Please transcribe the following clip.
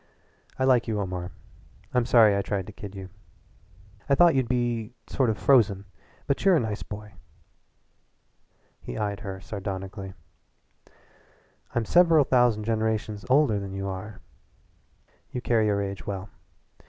"I like you, Omar. I'm sorry I tried to kid you. I thought you'd be sort of frozen, but you're a nice boy." He eyed her sardonically. "I'm several thousand generations older than you are." "You carry your age well."